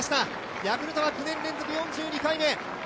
ヤクルトは９年連続、４２回目。